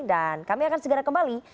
dan kami akan segera kembali